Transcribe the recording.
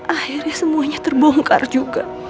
akhirnya semuanya terbongkar juga